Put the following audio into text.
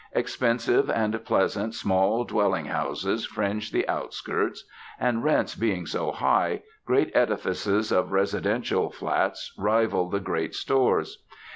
Expensive and pleasant small dwelling houses fringe the outskirts; and rents being so high, great edifices of residential flats rival the great stores.